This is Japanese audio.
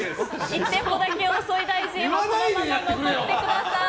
１テンポだけ遅い大臣はこのまま残ってください。